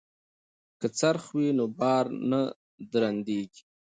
که څرخ وي نو بار نه درندیږي.